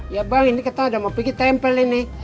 ya bang ini kita udah mau pergi tempelin nih